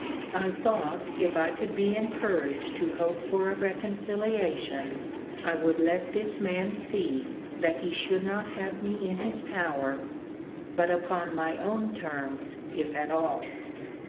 I thought, if I could be encouraged to hope for a reconciliation, I would let this man see, that he should not have me in his power, but upon my own terms, if at all.